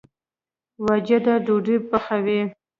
واجده ډوډۍ پخوي